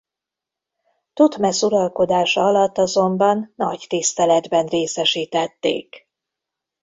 Thotmesz uralkodása alatt azonban nagy tiszteletben részesítették.